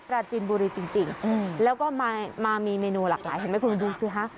เลยจริงแล้วก็มามีแมนูหลากหลายนะให้คุณดูสิฮะ